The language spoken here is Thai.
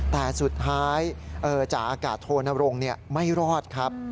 แต่สุดท้ายจ่าอากาศโทนรงค์ไม่รอดครับ